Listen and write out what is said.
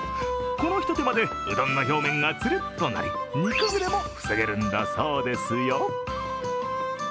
このひと手間でうどんの表面がつるっとなり煮崩れも防げるんだそうですよ。